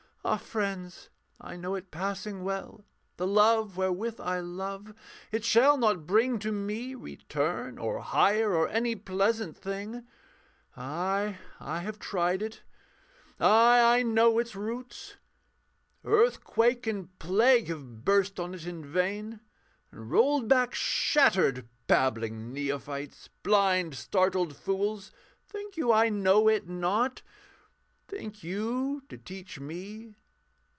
Ah friends, I know it passing well, the love Wherewith I love; it shall not bring to me Return or hire or any pleasant thing Ay, I have tried it: Ay, I know its roots. Earthquake and plague have burst on it in vain And rolled back shattered Babbling neophytes! Blind, startled fools think you I know it not? Think you to teach me?